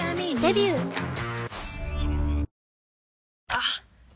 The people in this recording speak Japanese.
あっ！